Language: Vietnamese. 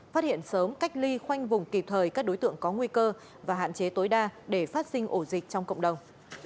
phát hiện sớm cách ly khoanh vùng kịp thời các đối tượng có nguy cơ và hạn chế tối đa để phát sinh ổ dịch trong cộng đồng